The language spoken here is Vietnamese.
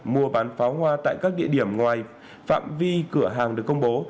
mua bán pháo hoa tại các địa điểm ngoài phạm vi cửa hàng được công bố